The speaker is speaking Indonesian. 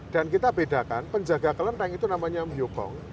dan kita bedakan penjaga kelentang itu namanya myokong